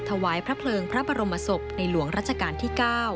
ถวายพระเพลิงพระบรมศพในหลวงรัชกาลที่๙